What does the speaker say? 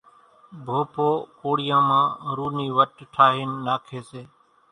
ڀوپو ڪوڙيان مان رُو نِي وٽِ ٺاھين ناکي سي